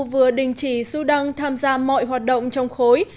vừa đình chỉ sudan tham gia mọi hoạt động trong khối